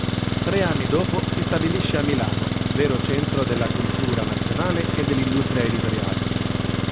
Tre anni dopo si stabilisce a Milano, vero centro della cultura nazionale e dell'industria editoriale.